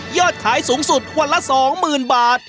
ยอดขายสูงสุดวันละสองหมื่นบาท